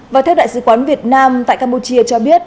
và theo đại sứ quán việt nam tại campuchia cho biết